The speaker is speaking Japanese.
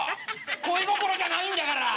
恋心じゃないんだから！